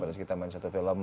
pada saat kita main satu film